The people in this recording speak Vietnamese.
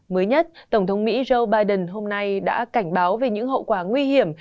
mới nhất tổng thống mỹ joe biden hôm nay đã cảnh báo về những hậu quả nguy hiểm